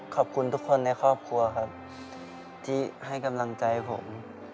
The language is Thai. ขอบคุณทุกคนในครอบครัวครับที่ให้กำลังใจผม